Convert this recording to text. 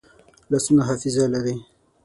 لاسونه حافظه لري